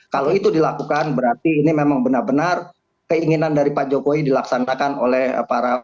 kalau itu dilakukan berarti ini memang benar benar keinginan dari pak jokowi dilaksanakan oleh para